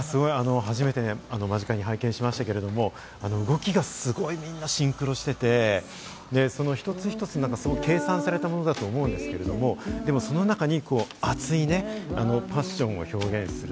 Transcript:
初めて間近に拝見しましたけど、動きがすごいみんなシンクロしてて、その一つ一つ、計算されたものだと思うんですけど、でもその中に熱いパッションを表現する。